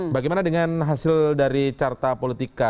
bagaimana dengan hasil dari carta politika